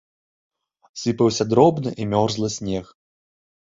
Сыпаўся дробны і мёрзлы снег.